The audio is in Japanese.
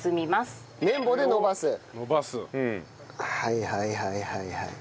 はいはいはいはいはい。